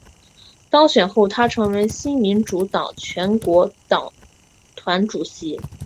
当选后她成为新民主党全国党团主席。